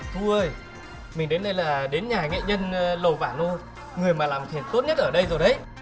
thu ơi mình đến đây là đến nhà nghệ nhân lầu vả nô người mà làm khen tốt nhất ở đây rồi đấy